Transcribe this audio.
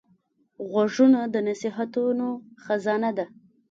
غوږونه د نصیحتونو خزانه ده